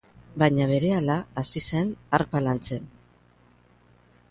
Baina berehala hasi zen harpa lantzen.